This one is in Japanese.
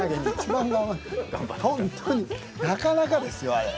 なかなかですよあれ。